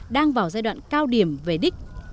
đang vào giai đoạn cao điểm về đích